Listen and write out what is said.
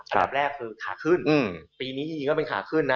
อันดับแรกคือขาขึ้นปีนี้จริงก็เป็นขาขึ้นนะ